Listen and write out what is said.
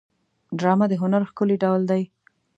ډرامه د هنر ښکلی ډول دی